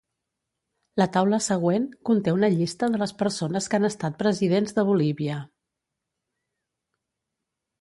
La taula següent conté una llista de les persones que han estat Presidents de Bolívia.